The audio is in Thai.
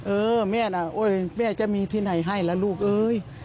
เออแม่น่ะโอ๊ยแม่จะมีที่ไหนให้ล่ะลูกเอ้ย